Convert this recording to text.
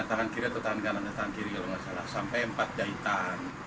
tangan kiri atau tangan kanan dan tangan kiri kalau nggak salah sampai empat jahitan